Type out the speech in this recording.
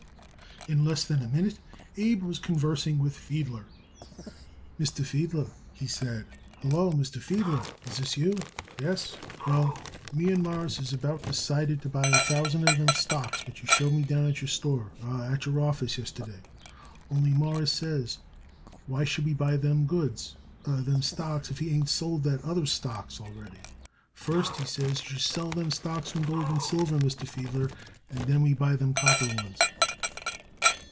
In less than a minute, Abe was conversing with Fiedler. "Mr. Fiedler!" he said. "Hello, Mr. Fiedler! Is this you? Yes. Well, me and Mawruss is about decided to buy a thousand of them stocks what you showed me down at your store at your office yesterday, only, Mawruss says, why should we buy them goods them stocks if you ain't sold that other stocks already. First, he says, you should sell them stocks from gold and silver, Mr. Fiedler, and then we buy them copper ones."